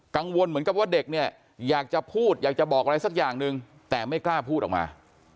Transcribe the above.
เหมือนกับว่าเด็กเนี่ยอยากจะพูดอยากจะบอกอะไรสักอย่างหนึ่งแต่ไม่กล้าพูดออกมา